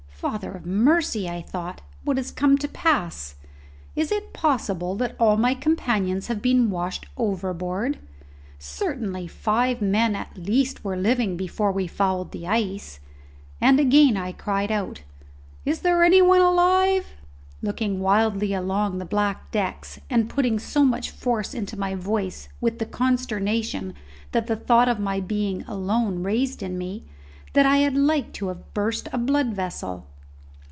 Father of mercy! I thought, what has come to pass? Is it possible that all my companions have been washed overboard? Certainly, five men at least were living before we fouled the ice. And again I cried out, "Is there any one alive?" looking wildly along the black decks, and putting so much force into my voice with the consternation that the thought of my being alone raised in me, that I had like to have burst a blood vessel.